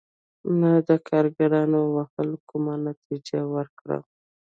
نه د کارګرانو وهلو کومه نتیجه ورکړه.